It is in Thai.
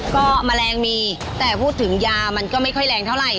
ก็แมลงมีแต่พูดถึงยามันก็ไม่ค่อยแรงเท่าไหร